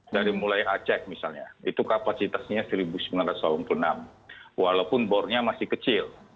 dari mulai aceh misalnya itu kapasitasnya seribu sembilan ratus enam puluh enam walaupun bornya masih kecil